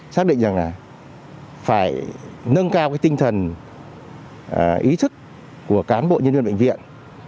xác định rằng là phải nâng cao cái tinh thần ý thức của cán bộ nhân viên bệnh viện